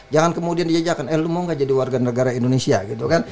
jangan kemudian diajakkan eh lu mau gak jadi warga negara indonesia gitu kan